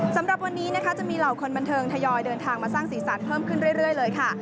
สำหรับวันนี้นะคะจะมีเหล่าคนบันเทิงทยอยเดินทางมาสร้างสีสันเพิ่มขึ้นเรื่อยเลยค่ะ